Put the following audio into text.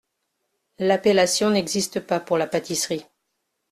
L’appellation n’existe pas pour la pâtisserie.